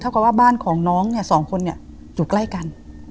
ถ้าบ้านของน้องสองคนอยู่ใกล้กัน